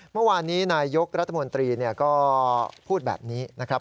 เมื่อวานนี้นายยกรัฐมนตรีก็พูดแบบนี้นะครับ